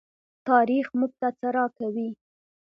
تاریخ موږ ته څه راکوي؟